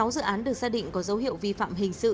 sáu dự án được xác định có dấu hiệu vi phạm hình sự